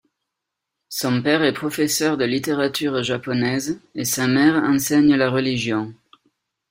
Son père est professeur de littérature japonaise et sa mère enseigne la religion.